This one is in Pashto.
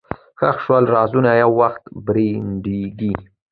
ښخ شوي رازونه یو وخت بربنډېږي.